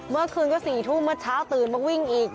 เมื่อคืนก็๔ทุ่มเมื่อเช้าตื่นมาวิ่งอีก